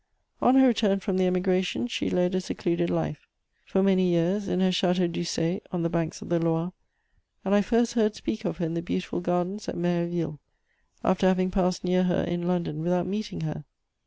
_ On her return from the Emigration, she led a secluded life, for many years, in her Château d'Ussé, on the banks of the Loire, and I first heard speak of her in the beautiful gardens at Méréville, after having passed near her in London without meeting her.